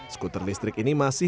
skuter listrik ini masih